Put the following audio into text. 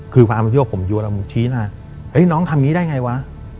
คือพระอำนวยค์ผมอยู่แล้วผมชี้หน้าเอ๊ะน้องทำนี้ได้ไงวะ